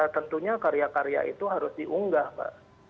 tentunya karya karya itu harus diunggah mbak